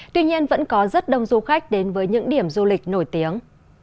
tuy nhiên vẫn có rất đông du khách đến với những điểm du lịch nổi tiếng